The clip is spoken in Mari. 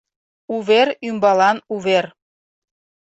УВЕР ӰМБАЛАН УВЕР